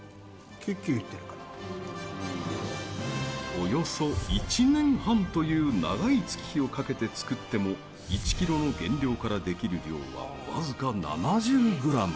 およそ１年半という長い月日をかけて作っても１ｋｇの原料から出来る量はわずか７０ｇ。